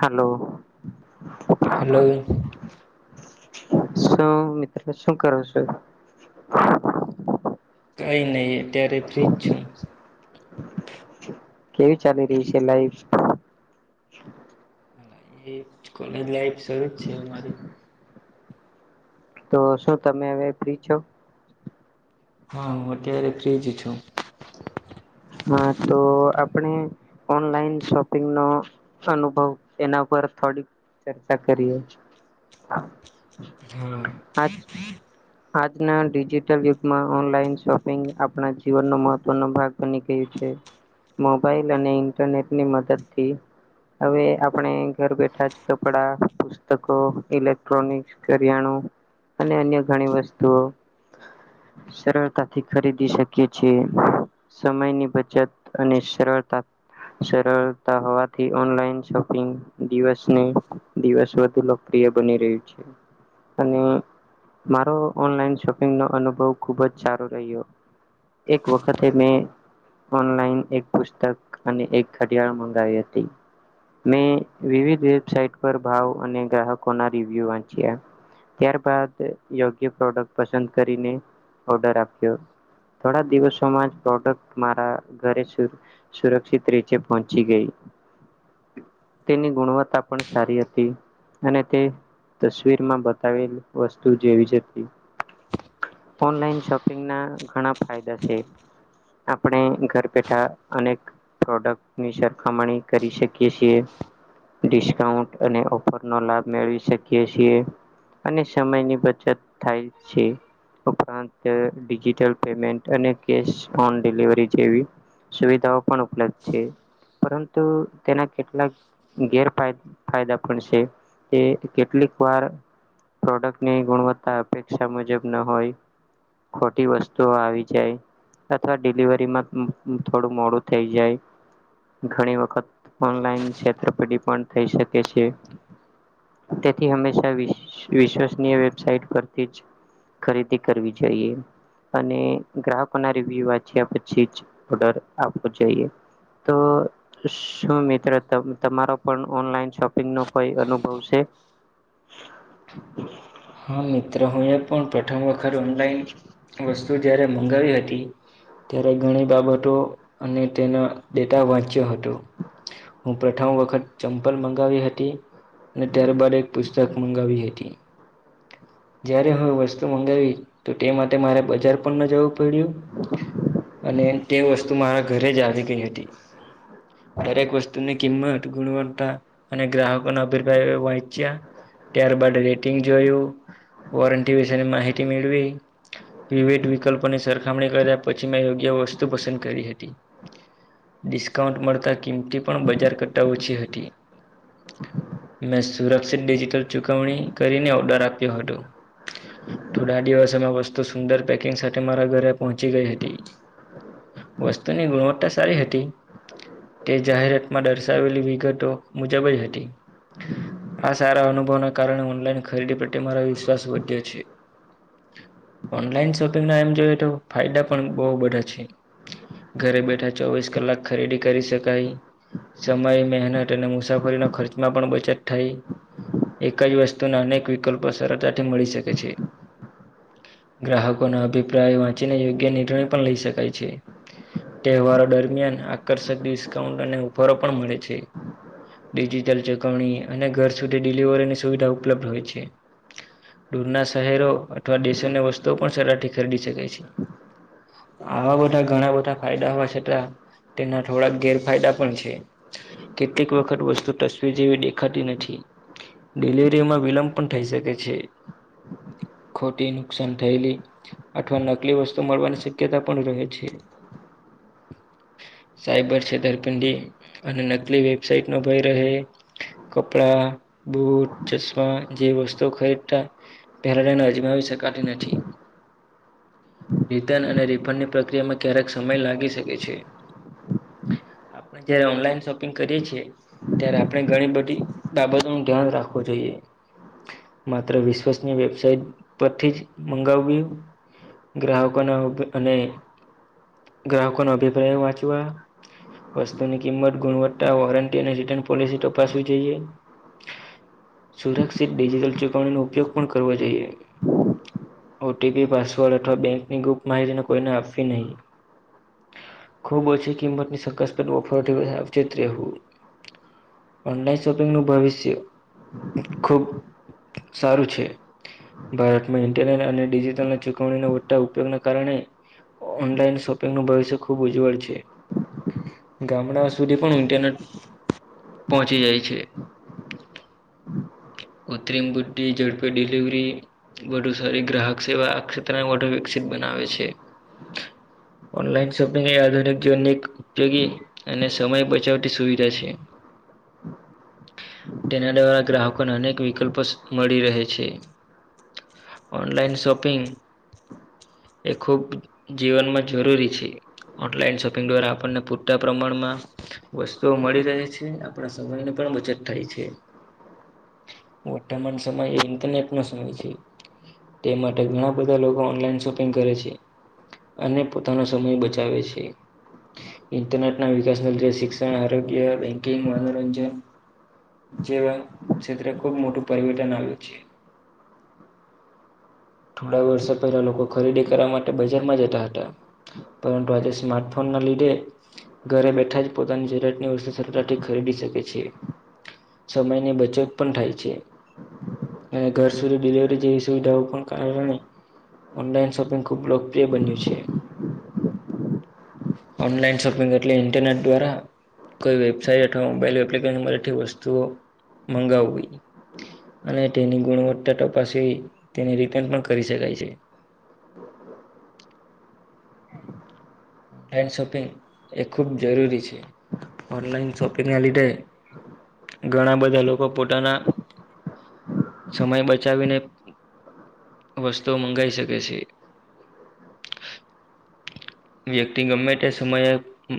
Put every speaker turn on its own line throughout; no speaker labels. Hello.
Hello.
શું મિત્ર, શું કરો છું?
કઈ નઈ, અત્યારે ફ્રીજ છું.
કેવી ચાલી રહી છે, લાઈફ?
એ કોલેજ લાઈફ શરૂ જ છે અમારી
તો શું તમે હવે ફ્રી છો?
હા, હું અત્યારે ફ્ર્રીજ છું.
હા, તો આપણે ઓનલાઈન શોપિંગ નો અનુભવ એના પર થોડીક ચર્ચા કરીએ આજ
હા.
આજના ડિજિટલ યુગમાં ઓનલાઈન શોપિંગ આપણા જીવનનો મહત્વનો ભાગ બની ગયું છે. મોબાઈલ અને ઇન્ટરનેટની મદદથી હવે આપણે ઘર બેઠા જ કપડા પુતકો, ઇલેક્ટ્રોનિક, કરિયાણું અને અન્ય ઘણી વસ્તુઓ સરળતાથી ખરીદી શકીએ છે. સમયની બચત અને સરળતા સરળતા હોવાથી ઓનલાઈન શોપિંગ દિવસની દિવસ વધુ લોકપ્રિય બની રહ્યું છે. અને મારો ઓનલાઈન શોપિંગનો અનુભવ ખુબ જ સારો રહ્યો. એક વખત તે મેં ઓનલાઈન એક પુસ્તક અને એક ઘડિયાળ મંગાવી હતી. મેં વિવિધ વેબસાઇટ પર ભાવ અને ગ્રાહકોના રિવ્યુ વાંચ્યા. ત્યારબાદ યોગ્ય પ્રોડક્ટ પસંદ કરીને ઓર્ડર આપ્યો. થોડા દિવસ [unintelligible] પ્રોડક્ટ મારા ઘરે સુ સુરક્ષિત રીચે પહોંચી ગઈ. તેની ગુણવત્તા પણ સારી હતી અને તે તસવીરમાં બતાવેલ વસ્તુ જેવી જ હતી. ઓનલાઈન શોપિંગના ઘણા ફાયદા છે. આપણે ઘર બેઠા અનેક પ્રોડક્ટની સરખામણી કરી શકીએ છીએ. ડિસ્કાઉન્ટ અને ઓફરનો લાભ મેળવી શકીએ છીએ. અને સમયની બચત થાય છે. ઉપરાંત ડિજિટલ પેમેન્ટ અને કેશ ઓન ડિલિવરી જેવી સુવિધાઓ પણ ઉપલબ્ધ છે. પરંતુ તેના કેટલાક ઘેર ફાય ફાયદા પણ છે. તે કેટલીક વાર પ્રોડક્ટની ગુણવત્તા અપેક્ષા મુજબ ન હોય ખોટી વસ્તુઓ આવી જાય. તથા ડિલિવરીમાં [unintelligible] થોડું મોડું થઈ જાય. ઘણી વખત ઓનલાઈન છેતરપિંડી પણ થઈ શકે છે. તેથી હંમેશા વિષ વિશ્વસનીય વેબસાઇટ પર થી જ ખરીદી કરવી જોઈએ અને ગ્રાહક લોકોના રિવ્યુ વાંચ્યા પછી જ ઓર્ડર આપવો જોઈએ તો શું મિત્ર તમ તમારો પણ ઓનલાઈન શોપિંગનો કોઈ અનુભવ છે? [inaudible]
હા મિત્રો હું એ પણ પ્રથમ વખત ઓનલાઈન વસ્તુ જ્યારે મંગાવી હતી. ત્યારે ઘણી બાબતો અને તેના ડેટા વાંચ્યો હતો. હું પ્રથમ વખત ચંપલ મંગાવી હતી. અને ત્યારબદ એક પુસ્તક મંગાવી હતી. જયારે હવે વસ્તુ મંગાવી તો તે માટે મારે બજાર પણ ન જવું પડ્યું અને તે વસ્તુ મારા ઘરે જ આવી ગઈ હતી. દરેક વસ્તુની કિંમત, ગુણવત્તા અને ગ્રાહકોના અભિપ્રાય વાંચ્યા ત્યારબાદ રેટિંગ જોયું વોરંટી વિશેની માહિતી મેળવી. વિવિધ વિકલ્પોની સરખામણી કર્યા પછી મેં યોગ્ય વસ્તુ પસંદ કરી હતી. ડિસ્કાઉન્ટ મળતાં કિંમતી પણ બજાર કરતા ઓછી હતી. મેં સુરક્ષિત ડિજિટલ ચુકવણી કરીને ઓર્ડર આપ્યો હતો. થોડા દિવસોમાં વસ્તુ સુંદર પેકિંગ સાથે મારા ઘરે પહોંચી ગઈ હતી. વસ્તુની ગુણવત્તા સારી હતી. તે જાહેરાતમાં દર્શાવેલી વિગતો મુજબ જ હતી. આ સારા અનુભવના કારણે ઓનલાઈન ખરીદી પ્રત્યે મારો વિશ્વાસ વધ્યો છે. ઓનલાઈન શોપિંગના એમ જોઈએ તો ફાયદા પણ બઉ બધા છે. ઘરે બેઠા ચોવીસ કલાક ખરીદી કરી શકાય સમય, મહેનત અને મુસાફરીનો ખર્ચમાં પણ બચત થાય. એક જ વસ્તુના અનેક વિકલ્પો સરળતાથી મળી શકે છે. ગ્રાહકોના અભિપ્રાય વાંચીને યોગ્ય નિર્ણય પણ લઈ શકાય છે. તહેવારો દરમિયાન આકર્ષક ડિસ્કાઉન્ટ અને ઓફરો પણ મળે છે ડિજિટલ ચૂકવણી અને ઘર સુધી ડિલિવરીની સુવિધા ઉપલબ્ધ હોય છે દૂરના શહેરો અથવા દેશોની વસ્તુઓ પણ સરળથી ખરીદી શકાય છે આવા બધા ઘણા બધા ફાયદા હોવા છતા તેના થોડાક ગેરફાયદા પણ છે. કેટલીક વખત વસ્તુ તસવીર જેવી દેખાતી નથી, ડિલિવરીમાં વિલંબ પણ થહી શકે છે ખોટી નુકસાન થયલી અથવા નકલી વસ્તુ મળવાની શક્યતા પણ રહે છે સાઇબર છેતરપિંડી અને નકલી વેબસાાઈટ નો ભય રહે કપડા, બુટ, ચશ્મા- જે વસ્તુઓ ખરીદતા પહેલા લઈને અજમાવી શકાતી નથી રિટર્ન અને રિફંડની પ્રક્રિયામાં ક્યારેક સમય લાગી શકે છે આપણે જયારે ઓનલાઈન શોપિંગ કરીએ છીએ ત્યારે આપણે ઘણી બધી બાબતો નું ધ્યાન રાખવું જોઈએ માત્ર વિશ્વસની વેબસાાઈટ પરથી જ મંગાવ ગયું ગ્રાહકોના અને ગ્રાહકોનો અભિપ્રાય વાંચવા વસ્તુની કિંમત ગુણવત્તા વોરંટી અને રિટર્ન પોલિસી તપાસવી જોઈએ સુરક્ષિત ડિજિટલ ચુકવણીનો ઉપયોગ પણ કરવો જોઈએ ઓ ટી પી પાસવર્ડ અથવા બેંકની ગુપ્ત માહિતીને કોઈને આપવી નહીં ખૂબ ઓછી કિંમતની શકાસ્પ ઓફરથી સાવચેત રહેવું ઓનલાઈન શોપિંગનું ભવિષ્ય ખૂબ સારું છે ભારતમાં ઇન્ટરનેટ અને ડિજિટલ ચૂકવણીના મોટા ઉપયોગના કારણે ઓનલાઈન શોપિંગનું ભવિષ્ય ખૂબ ઉજ્જવળ છે ગામડાઓ સુધી પણ ઇન્ટરનેટ પહોંચી જાય છે કૃત્રિમ બુદ્ધડી જઝડપે ડડીલીવરી વધુ સારી ગ્રાહક સેવા આ ક્ષેત્રને વધુ વિકસિત બનાવે છે
[unintelligible]
ઓનલાઈન શોપિંગ એ આધુનિક જીવનની એક ઉપયોગી અને સમય બચાવતી સુવિધા છે
[unintelligible]
તેના દ્વારા ગ્રાહકોને અનેક વિકલ્પો મળી રહે છે ઓનલાઇન શોપિંગ એ ખૂબ જીવનમાં જરૂરી છે ઓનલાઈન શોપિંગ દ્વારા આપણને પૂરતા પ્રમાણમાં વસ્તુઓ મળી રહે છે આપણા સમય ની પણ બચત થાય છે વર્તમાન સમય એ ઇન્ટરનેટ નો સમય છે તે માટે ઘણા બધા લોકો ઓનલાઈન શોપિંગ કરે છે અને પોતાનો સમય બચાવે છે ઇન્ટરનેટના વિકાસનું લ શિક્ષણ આરોગ્ય બેંકિંગ મનોરંજન જેવા ક્ષેત્રે ખૂબ મોટું પરિવર્તન આવ્યું છે
[unintelligible]
થોડા વર્ષો પહેલા લોકો ખરીદી કરવા માટે બજારમાં જતા હતા પરંતુ આજે સ્માર્ટફોન ના લીધે ઘરે બેઠા જ પોતાની જરૂરિયાતની વસ્તુ સરતાથી ખરીદી શકે છે સમયની બચત પણ થાય છે અને ઘર સુધી ડિલવરી જેવી સુવિધા હો પણ કારણ નહી ઓનલાઈન શોપિંગ ખૂબ લોકપ્રિય બન્યું છે ઓનલાઈન શોપિંગ એટલે ઇન્ટરનેટ દ્વારા કોઈ વેબસાઇટ અથવા મોબાઈઇલ એપ્લિકેશનમાંઠી વસ્તુઓ મગંગાવું અને તેની ગુણવત્તા ટપાસી તેને રિટર્ન પણ કરી શકાય છે ઓનલાઈન શોપિંગ એ ખૂબ જરૂરી છે ઓનલાઈન શોપિંગના લીધે ઘણા બધા લોકો પોતાના સમય બચાવીને વસ્તુઓ મંગાવી શકે છે વ્યક્તિ ગમે તે સમયે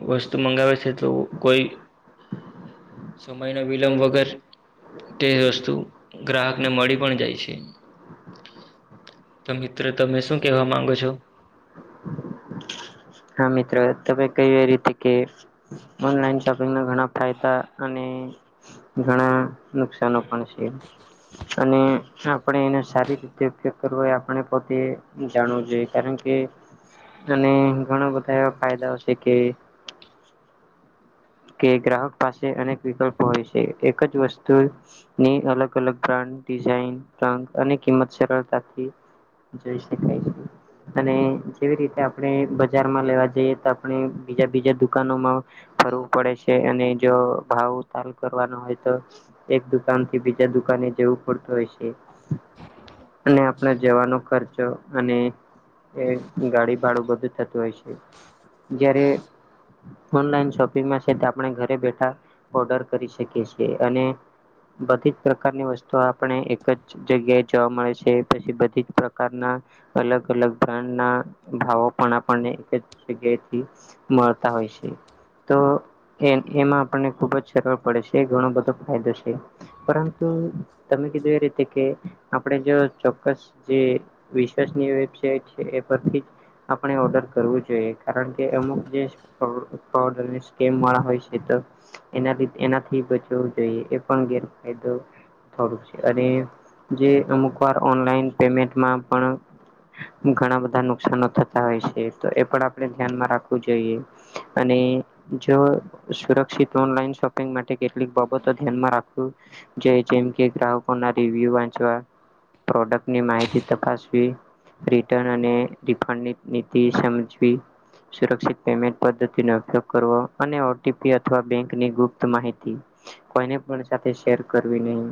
વસ્તુ મંગાવે છે તો કોઈ સમયનો વિલંબ વગર તે વસ્તુ ગ્રાહકને મળી પણ જાય છે. તો મિત્ર, તમે શું કેવા માંગો છો?
હા મિત્ર, તમે કયુ એ રીતે, કે ઓનલાઈન શોપિંગના ઘણા ફાયદા અને ઘણા નુકસાનો પણ છે. અને આપણે એનો સારી રીતે ઉપયોગ કરવો એ આપણે પોતે જાણવું જોઈએ, કારણ કે, અને ઘણા બધા એવા ફાયદા છે કે કે ગ્રાહક પાસે અનેક વિકલ્પો હોય છે. એક જ વસ્તુ ની અલગ અલગ બ્રાન્ડ, ડિઝઇન, રંગ અને કિંમત સરળતાથી જોઈ શકાય છે. અને જેવી રીતે આપણે બજારમાં લેવા જઈએ તો આપણે બીજા બીજા દુકાનોમાં ફરવું પડે છે, અને જો ભાવ તાલ કરવાનો હોય તો એક દુકાનથી બીજા દુકાને જવું પડતું હોય છે. અને આપણે જવાનો ખર્ચો, અને એ ગાડી ભાડું બધું થતું હોય છે, જ્યારે ઓનલાઈન શપિંગમાં છે તે આપણે ઘરે બેઠા ઓર્ડર કરી શકીએ છીએ. અને બધી જ પ્રકારની વસ્તુ આપણે એક જ જગ્યાએ જોવા મળે છે. પછી બધી જ પ્રકારના અલગ અલગ બ્રાન્ડના ભાવો પણ આપણને એક જ જગ્યાએથી મળતા હોય છે. તો એ એમાં આપણને ખુબ જ સરળ પડે છે, ઘણો બધો ફાયદો છે. પરંતુ, તમે કીધું એ રીતે કે, આપણે જો ચોક્કસ જે વિશ્વાસની વેબસાઇટ છે એ પરથી જ આપણે ઓર્ડર કરવું જોઈએ. કારણ કે અમુક જે ફ્રોડ અને સ્કેમવાળા હોય છે તો એનાથી એનાથી બચવું જોઈએ, એ પણ ગેરફાયદો થોડું છે, અને જે અમુક વાર ઓનલાઈન પેમેન્ટમાં પણ ઘણા બધા નુકસાનો થતા હોય છે, તો એ પણ આપણે ધ્યાનમાં રાખવું જોઈએ. અને જો સુરક્ષિત ઓનલાઈન શોપિંગ માટે કેટલીક બાબતો ધ્યાનમાં રાખવું જોઈયે, જેમ કે ગ્રાહકોના રિવ્યુ વાંચવા પ્રોડક્ટની માહિતી તપાસવી રિટર્ન અને રિફંડની નિતી સમજવી, સુરક્ષિત પેમેન્ટ પધ્ધ તી નો ઉપયોગ કરવો, અને ઓ ટી પી અથવા બેંકની ગુપ્ત માહિતી કોઈને પણ સાથે શેર કરવી નહીં.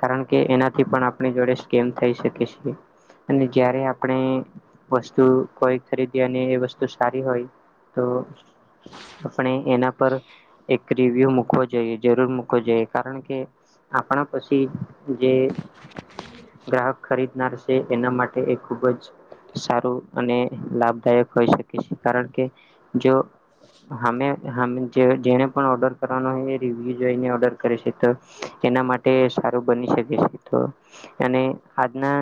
કારણ કે એનાથી પણ આપણી જોડે સ્કેમ થઈ શકે છે. અને જયારે આપણે વસ્તુ કોઈ ખરીદીએ અને એ વસ્તુ સારી હોય તો આપણે એના પર એક રિવ્યુ મૂકવો જોઈએ, જરૂર મૂકવો જોઈએ. કારણ કે આપણા પછી જે ગ્રાહક ખરીદનાર છે, એના માટે એ ખૂબ જ સારું અને લાભદાયક હોઈ શકે છે. કારણ કે જો હમે હામે જે જણે પણ ઓર્ડર કરવાનો હોય એ રિવ્યુ જોઈને ઓર્ડર કરે છે, તો એના માટે સારું બની શકે છે. તો અને આજના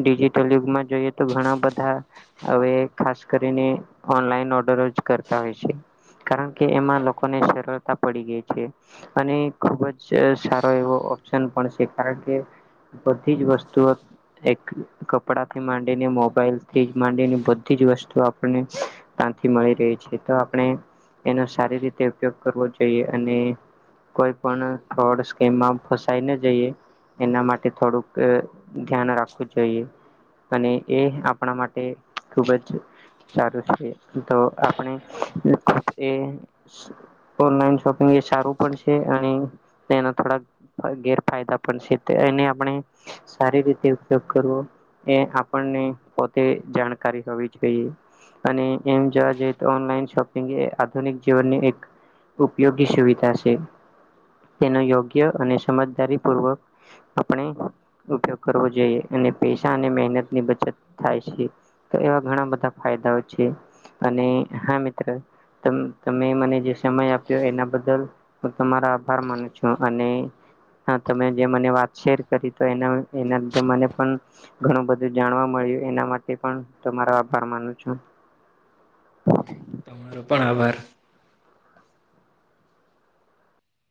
ડિજીટલ યુગમાં જોઈએ તો ઘણા બધા હવે ખાસ કરીને ઓનલાઈન ઓર્ડર જ કરતા હોય છે. કારણ કે એમાં લોકોને સરળતા પડી ગઈ છે. અને ખૂબ જ સારો એવો ઓપ્શન પણ છે, કારણ કે બધી જ વસ્તુઓ એક કપડા થી માંડીને મોબાઈલથી માંડીને બધી જ વસ્તુ આપણને ત્યાંથી મળી રહી છે. તો આપણે એનો સારી રીતે ઉપયોગ કરવો જોઈએ અને કોઈ પણ ફ્રોડ સ્કીમમાં ફસાઈને જઈએ. એના માટે થોડુંક ધ્યાન રાખવું જોઈએ. અને એ આપણા માટે ખુબ જ સારું છે. તો આપણે એ ઓનલાઈન શોપિંગ એ સારું પણ છે અને એના થોડાક ગેરફાયદા પણ છે તે એને આપણે સારી રીતે ઉપયોગ કરવો એ આપણને પોતે જાણકારી હોવી જોઈએ. અને એમ જોવા જઈએ તો ઓનલાઈન શોપિંગ એ આધુનિક જીવનની એક ઉપયોગી સુવિધા છે. તેનો યોગ્ય અને સમજદારી પૂર્વક આપણે ઉપયોગ કરવો જોઈએ અને પૈસા અને મહેનત ની બચત થાય છે. તો એવા ઘણા બધા ફાયદાઓ છે અને હા તમે મને જે સમય આપ્યો એના બદલ હું તમારા આભાર માનું છું અને હા તમે જે મને વાત શેર કરી તો એના એના મને પણ ઘણું બધું જાણવા મળ્યું એના માટે પણ તમારો આભાર માનું છું.
તમારો પણ આભાર.